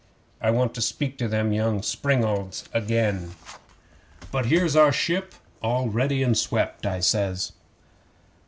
I want to speak to them young springalds again." '"But here's our ship all ready and swept," I says.